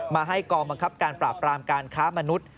มาให้กองบังคับการปราบปรามการค้ามนุษย์